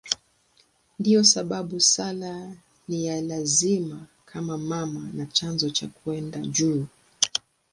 Ndiyo sababu sala ni ya lazima kama mama na chanzo cha kwenda juu.